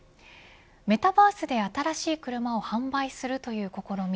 メタバースで新しい車を販売するという試み